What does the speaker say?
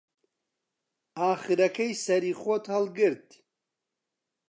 ئاخرەکەی سەری خۆی هەڵگرت